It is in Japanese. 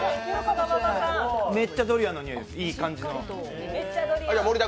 めっちゃドリアンのにおいです、いい感じの。